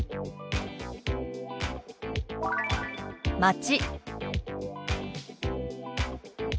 「町」。